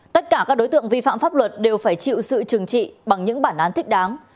tất cả các đối tượng vi phạm pháp luật đều phải chịu sự trừng trị bằng những bản án thích đáng